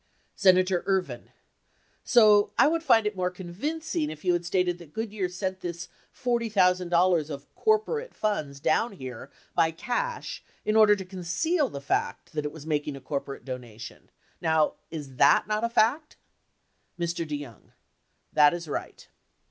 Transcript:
Senator Ervin. So I would find it more convincing if you had stated that Goodyear sent this $40,000 of corporate funds down here by cash in order to conceal the fact that it was making a corporate donation. Now, is that not a fact? Mr. DeYoung. That is right.